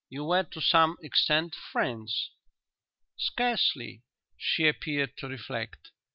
You were to some extent friends?" "Scarcely." She appeared to reflect.